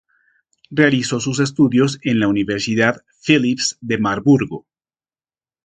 Realizó sus estudios en la Universidad Philipps de Marburgo.